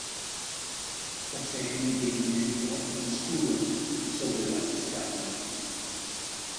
Poseen un pigmento oscuro sobre las escamas.